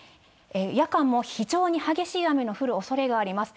夜間も非常に激しい雨の降るおそれがあります。